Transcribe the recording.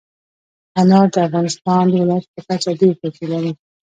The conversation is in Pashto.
انار د افغانستان د ولایاتو په کچه ډېر توپیر لري.